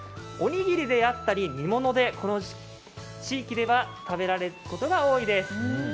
おにぎりであったり煮物で、この地域では食べられることが多いです。